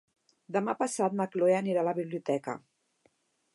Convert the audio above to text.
Demà passat na Cloè anirà a la biblioteca.